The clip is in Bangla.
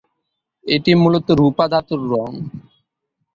এটি মূলত রূপা ধাতুর রঙ।